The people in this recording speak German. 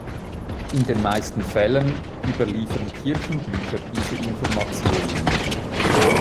In den meisten Fällen überliefern Kirchenbücher diese Informationen.